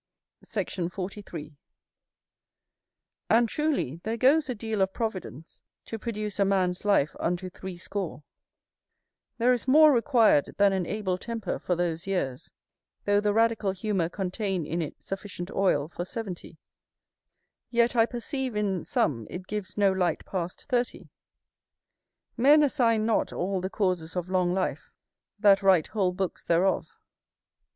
[L] Ep. lib. xxiv. ep. 24. Sect. 43. And truly there goes a deal of providence to produce a man's life unto threescore; there is more required than an able temper for those years: though the radical humour contain in it sufficient oil for seventy, yet I perceive in some it gives no light past thirty: men assign not all the causes of long life, that write whole books thereof.